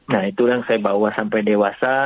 nah itu yang saya bawa sampai dewasa